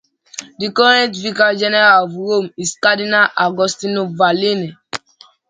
The current Vicar General of Rome is Cardinal Agostino Vallini.